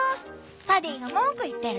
パディが文句言ってる。